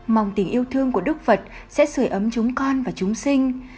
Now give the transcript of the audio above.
mong tình yêu thương của đức phật sẽ sửa ấm chúng con và chúng sinh